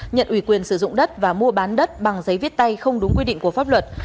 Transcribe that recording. nhận ủy quyền sử dụng đất và mua bán đất bằng giấy viết tay không đúng quy định của pháp luật